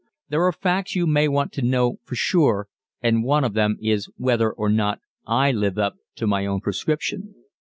There are facts you may want to know for sure and one of them is whether or not I live up to my own prescription.